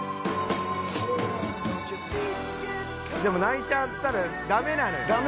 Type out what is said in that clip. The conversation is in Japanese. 「でも泣いちゃったらダメなのよ」